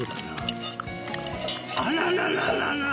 あららららら。